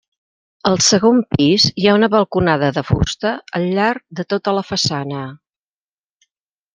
Al segon pis hi ha una balconada de fusta al llarg de tota la façana.